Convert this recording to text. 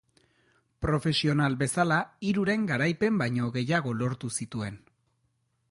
Profesional bezala hiruren garaipen baino gehiago lortu zituen.